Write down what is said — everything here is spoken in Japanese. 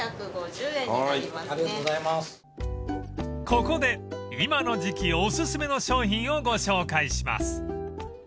［ここで今の時季おすすめの商品をご紹介します］